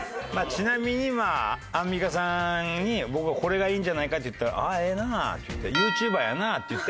ちなみに今アンミカさんに僕がこれがいいんじゃないかって言ったら「ああええなあ」って言って「ＹｏｕＴｕｂｅｒやな」って。